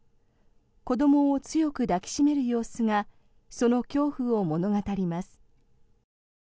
子どもを強く抱き締める様子がその恐怖を物語ります。